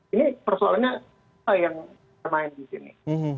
ini persoalannya apa yang termain di sini